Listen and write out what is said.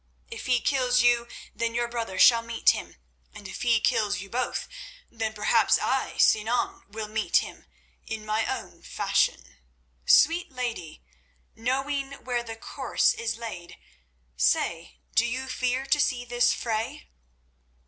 If he kills you then your brother shall meet him. And if he kills you both, then perhaps I, Sinan, will meet him—in my own fashion. Sweet lady, knowing where the course is laid, say, do you fear to see this fray?"